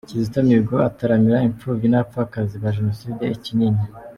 Kizito Mihigo ataramira impfubyi n’abapfakazi ba Jenoside i Kinyinya.